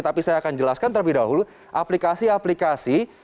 tapi saya akan jelaskan terlebih dahulu aplikasi aplikasi